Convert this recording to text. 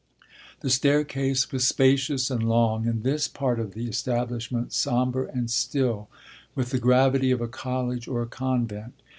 The staircase was spacious and long and this part of the establishment sombre and still, with the gravity of a college or a convent.